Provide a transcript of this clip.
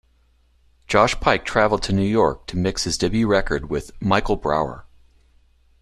Josh Pyke travelled to New York to mix his debut record with Michael Brauer.